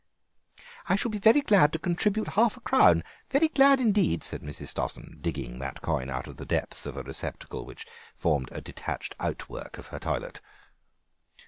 "I shall be very glad to contribute half a crown, very glad indeed," said Mrs. Stossen, digging that coin out of the depths of a receptacle which formed a detached outwork of her toilet.